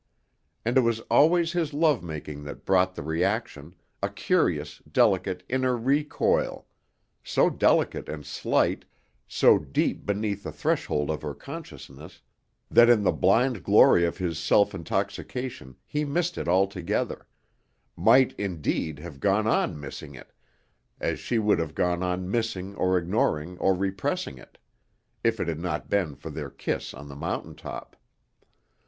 And it was always his love making that brought the reaction, a curious, delicate, inner recoil, so delicate and slight, so deep beneath the threshold of her consciousness, that in the blind glory of his self intoxication he missed it altogether might, indeed, have gone on missing it, as she would have gone on ignoring or repressing it, if it had not been for their kiss on the mountain top.